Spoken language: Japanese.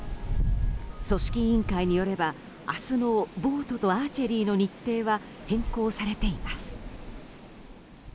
組織委員会によれば、明日のボートとアーチェリーの日程は変更されています。